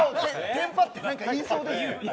テンパって何か言いそうです。